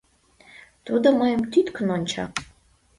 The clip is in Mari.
Тудо мыйым тӱткын онча.